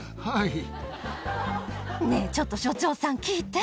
ねえ、ちょっと所長さん、聞いて。